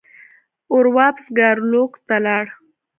اور واپس ګارلوک ته لاړ.